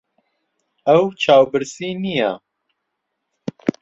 ئەو چاوبرسی نییە.